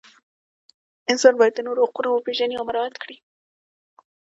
انسان باید د نورو حقونه وپیژني او مراعات کړي.